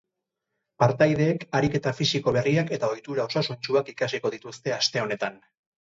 Partaideek ariketa fisiko berriak eta ohitura osasuntsuak ikasiko dituzte aste honetan.